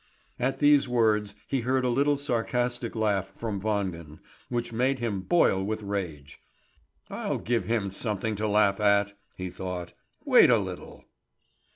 At these words he heard a little sarcastic laugh from Wangen, which made him boil with rage. "I'll give him something to laugh at," he thought. "Wait a little!"